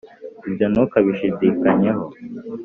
ibyo ntukabishidakenyeho